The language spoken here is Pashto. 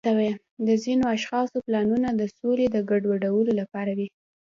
د ځینو اشخاصو پلانونه د سولې د ګډوډولو لپاره وي.